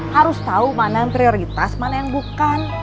harus tahu mana yang prioritas mana yang bukan